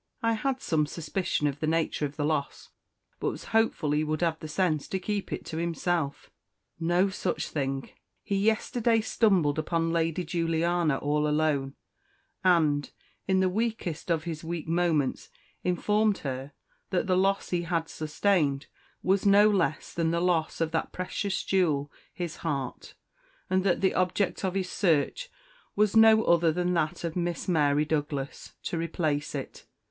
I had some suspicion of the nature of the loss, but was hopeful he would have the sense to keep it to himself. No such thing: he yesterday stumbled upon Lady Juliana all alone, and, in the weakest of his weak moments, informed her that the loss he had sustained was no less than the loss of that precious jewel his heart; and that the object of his search was no other than that of Miss Mary Douglas to replace it!